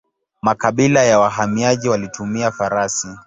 Makabila ya wahamiaji walitumia farasi.